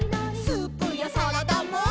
「スープやサラダも？」